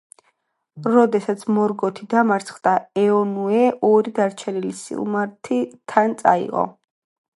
როდესაც მორგოთი დამარცხდა, ეონუე ორი დარჩენილი სილმარილი თან წაიღო.